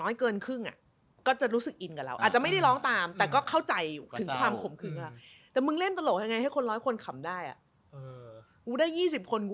เกินครึ่งอ่ะก็จะรู้สึกอินกับเราอาจจะไม่ได้ร้องตามแต่ก็เข้าใจถึงความขมคือ